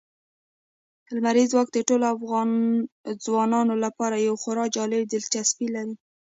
لمریز ځواک د ټولو افغان ځوانانو لپاره یوه خورا جالب دلچسپي لري.